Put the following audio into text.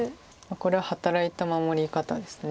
これは働いた守り方です。